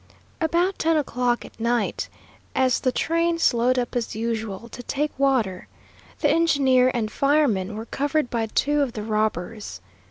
About ten o'clock at night, as the train slowed up as usual to take water, the engineer and fireman were covered by two of the robbers.